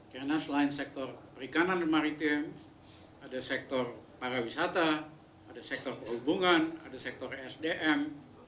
karena selain sektor perikanan dan maritim ada sektor para wisata ada sektor perhubungan ada sektor sdm